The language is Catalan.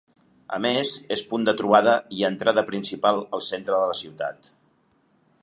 A més, és punt de trobada i entrada principal al centre de la ciutat.